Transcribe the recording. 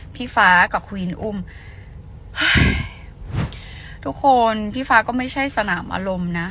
พี่ฟ้ากับควีนอุ้มทุกคนพี่ฟ้าก็ไม่ใช่สนามอารมณ์นะ